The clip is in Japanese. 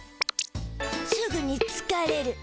すぐにつかれる。